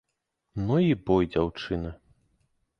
Ну, і бой дзяўчына.